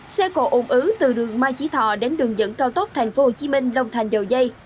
xe cổ ủng ứ từ đường mai chí thọ đến đường dẫn cao tốc thành phố hồ chí minh long thành dầu dây